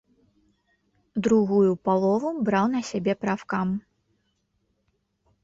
Другую палову браў на сябе прафкам.